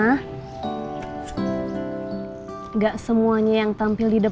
keke keke mau aku akan tamperin aja